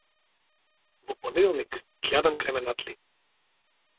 Во понеделник ќе јадам кременадли.